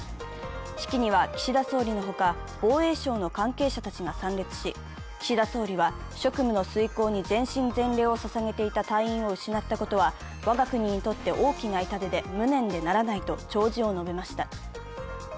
式には岸田総理のほか、防衛省の関係者たちが参列し、岸田総理は、職務の遂行に全身全霊をささげていた隊員を失ったことは我が国にとって大きな痛手で、無念でならないと弔辞を述べました。